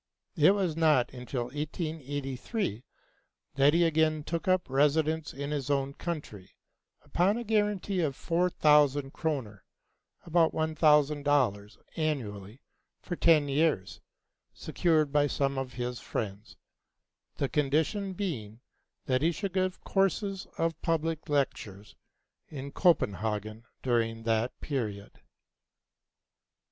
It was not until 1883 that he again took up residence in his own country, upon a guarantee of four thousand kroner (about $1000) annually for ten years, secured by some of his friends, the condition being that he should give courses of public lectures in Copenhagen during that period.